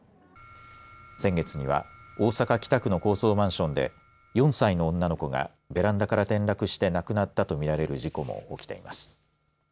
先月には大阪、北区の高層マンションで４歳の女の子がベランダから転落して亡くなったとみられる事故も起きています。